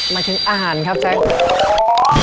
มาถึงอาหารครับแซ็ก